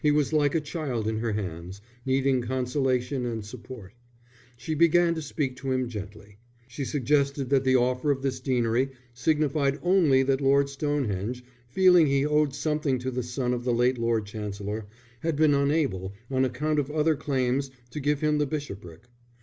He was like a child in her hands, needing consolation and support. She began to speak to him gently. She suggested that the offer of this deanery signified only that Lord Stonehenge, feeling he owed something to the son of the late Lord Chancellor, had been unable on account of other claims to give him the bishopric.